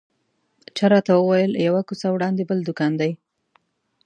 چا راته وویل یوه کوڅه وړاندې بل دوکان دی.